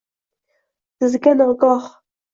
Bizga nogoh